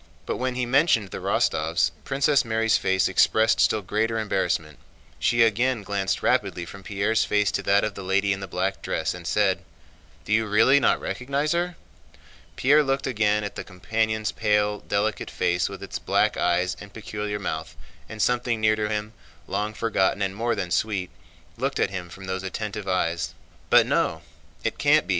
But when he mentioned the Rostóvs, Princess Mary's face expressed still greater embarrassment. She again glanced rapidly from Pierre's face to that of the lady in the black dress and said: "Do you really not recognize her?" Pierre looked again at the companion's pale, delicate face with its black eyes and peculiar mouth, and something near to him, long forgotten and more than sweet, looked at him from those attentive eyes. "But no, it can't be!"